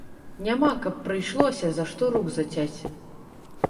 Няма, каб прыйшлося, за што рук зацяць.